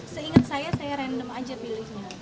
seingat saya saya random aja pilihnya